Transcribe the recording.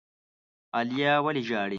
عالیه ولي ژاړي؟